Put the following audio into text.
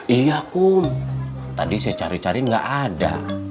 iya kum tadi saya cari cari gak ada